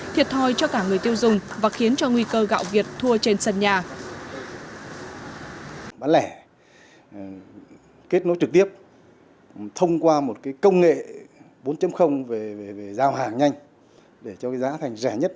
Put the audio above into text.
thiệt thòi cho cả người tiêu dùng và khiến cho nguy cơ gạo việt thua trên sân nhà